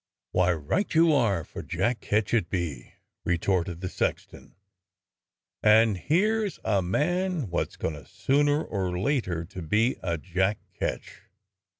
"Why, right you are, for Jack Ketch it be," retorted the sexton. "And here's a man wot's goin' sooner or later to be a Jack Ketch.